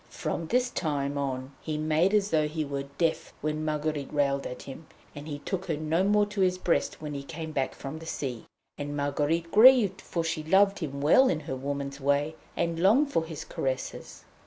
From this time on he made as though he were deaf when Marguerite railed at him, and he took her no more to his breast when he came back from the sea. And Marguerite grieved, for she loved him well in her woman's way, and longed for his caresses.